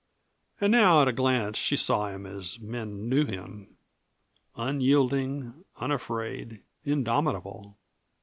And now at a glance she saw him as men knew him unyielding, unafraid, indomitable.